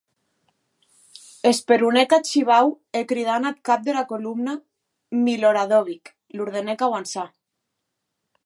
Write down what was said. Esperonèc ath shivau e cridant ath cap dera colomna, Miloradovic, l’ordenèc auançar.